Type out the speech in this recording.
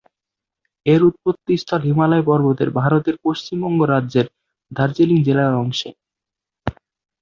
এর উৎপত্তিস্থল হিমালয় পর্বতের ভারতের পশ্চিমবঙ্গ রাজ্যের দার্জিলিং জেলার অংশে।